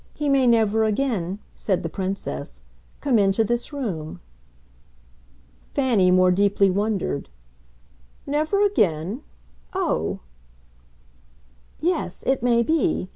He may never again," said the Princess, "come into this room." Fanny more deeply wondered, "Never again? Oh !" "Yes, it may be.